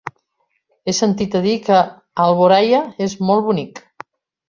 He sentit a dir que Alboraia és molt bonic.